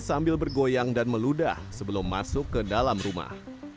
sambil bergoyang dan meludah sebelum masuk ke dalam rumah